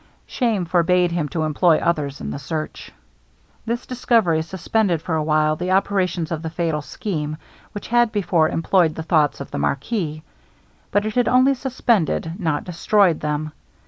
Shame forbade him to employ others in the search. This discovery suspended for a while the operations of the fatal scheme, which had before employed the thoughts of the marquis; but it had only suspended not destroyed them.